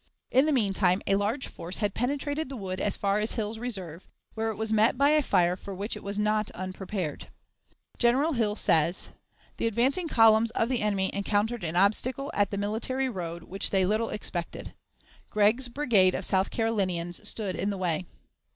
In the mean time a large force had penetrated the wood as far as Hill's reserve, where it was met by a fire for which it was not unprepared. General Hill says: "The advancing columns of the enemy encountered an obstacle at the military road which they little expected. Gregg's brigade of South Carolinians stood in the way."